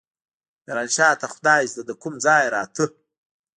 ميرانشاه ته خدايزده له کوم ځايه راته.